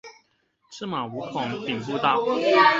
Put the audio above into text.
赤馬五孔頂步道